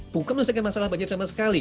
bukan menyelesaikan masalah banjir sama sekali